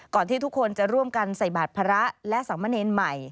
ที่ทุกคนจะร่วมกันใส่บาทพระและสามเณรใหม่